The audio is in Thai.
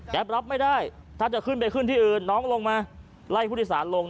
รับไม่ได้ถ้าจะขึ้นไปขึ้นที่อื่นน้องลงมาไล่ผู้โดยสารลง